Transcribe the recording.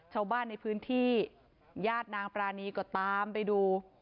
ชาวบ้านในพื้นที่ญาตินางปรานีก็ตามไปดู